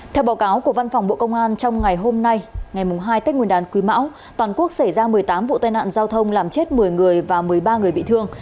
theo báo cáo của văn phòng bộ công an trong ngày hôm nay ngày hai tết nguyên đán quý mão toàn quốc xảy ra một mươi tám vụ tai nạn giao thông làm chết một mươi người và một mươi ba người bị thương